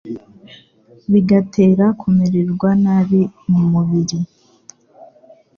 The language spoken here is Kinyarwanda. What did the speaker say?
bigatera kumererwa nabi mu mubiri,